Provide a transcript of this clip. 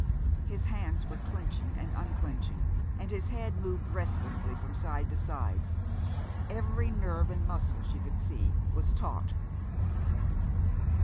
His hands were clenching and unclenching, and his head moved restlessly from side to side. Every nerve and muscle, she could see, was taut.